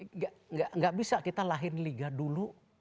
enggak bisa kita lahirin liga dulu